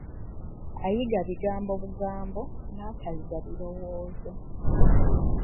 Ayiga bigambo bugambo, n'atayiga birowoozo.